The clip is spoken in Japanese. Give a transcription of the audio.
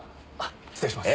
失礼します。